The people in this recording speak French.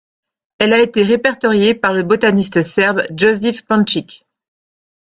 Elle a été répertoriée par le botaniste serbe Josif Pančić.